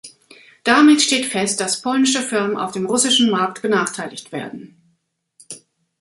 Damit steht fest, dass polnische Firmen auf dem russischen Markt benachteiligt werden.